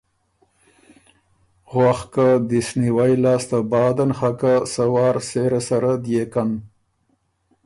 ”وخ که دست نیوي لاسته بعدن خه که سۀ وار سېره سره ديېکن۔